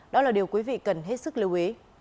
đó là điều quý vị cần hết sức lưu ý